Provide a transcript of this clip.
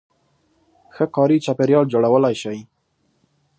-ښه کاري چاپېریال جوړولای شئ